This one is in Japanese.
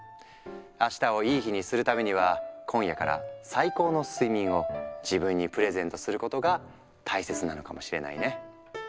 あしたをいい日にするためには今夜から最高の睡眠を自分にプレゼントすることが大切なのかもしれないね。